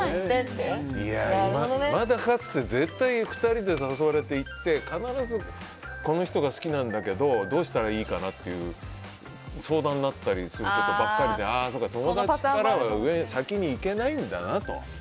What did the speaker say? いまだかつて２人で誘われて行って必ずこの人が好きなんだけどどうしたらいいかなっていう相談だったりすることばっかりで友達からは先には行けないんだなと。